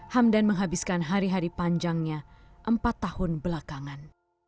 hamdan menghabiskan hari hari panjangnya empat tahun belakangan